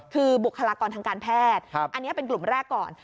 คือบุคลากรทางการแพทย์อันนี้เป็นกลุ่มแรกก่อน